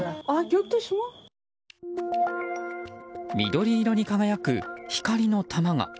緑色に輝く光の球が。